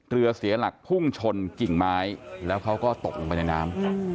เรือเสียหลักพุ่งชนกิ่งไม้แล้วเขาก็ตกลงไปในน้ำ